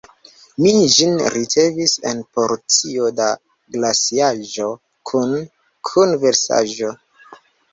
Mi ĝin ricevis en porcio da glaciaĵo kune kun versaĵo.